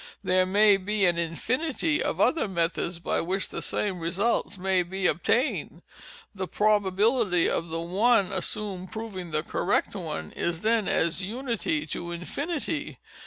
There may be an infinity of other methods by which the same results may be obtained. The probability of the one assumed proving the correct one is then as unity to infinity.